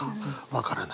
分からない。